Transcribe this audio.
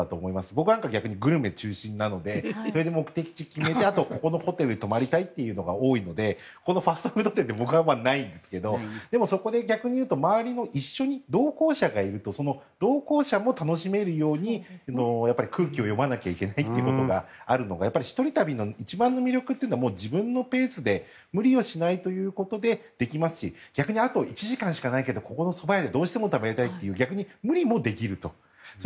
僕なんか逆にグルメ中心なのでそれで目的地を決めてあと、ここのホテルに泊まりたいというのが多いのでファストフード店って僕はないんですがでもそこで逆に言うと周りの一緒にその同行者も楽しめるように空気を読まなきゃいけないということがあるのがやっぱり一人旅の一番の魅力は自分のペースで無理をしないということでできますし逆にあと１時間しかないけどここのそば屋でどうしても食べたいという逆に無理もできると。